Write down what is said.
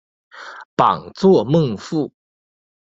榜作孟富。